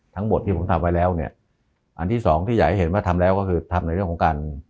ทั้งหมดที่ผมทำไว้แล้วเนี่ยอันที่สองที่อยากให้เห็นว่าทำแล้วก็คือทำในเรื่องของการ